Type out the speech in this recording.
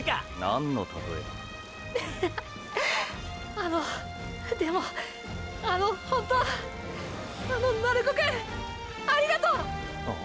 あのでもあのホントあの鳴子くんありがとう！！ん？